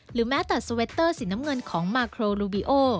แม้แต่สเวตเตอร์สีน้ำเงินของมาโครลูบิโอ